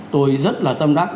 tôi rất là tâm đắc